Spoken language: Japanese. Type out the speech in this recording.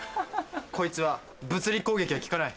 こいつは物理攻撃は効かない。